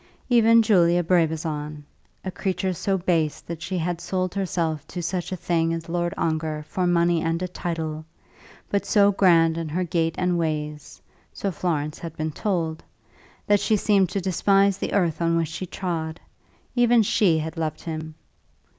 Even Julia Brabazon, a creature so base that she had sold herself to such a thing as Lord Ongar for money and a title, but so grand in her gait and ways, so Florence had been told, that she seemed to despise the earth on which she trod, even she had loved him.